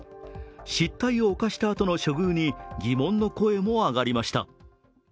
失態を犯したあとの処遇に疑問の声も上がりました。